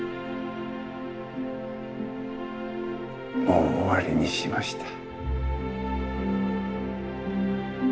もう終わりにしました。